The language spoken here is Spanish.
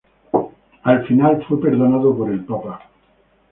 Al final fue perdonado por el papa.